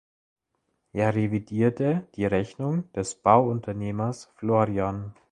Er revidierte die Rechnung des Bauunternehmers Florian.